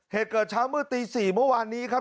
เหตุเกิดเช้ามืดตี๔เมื่อวานนี้ครับ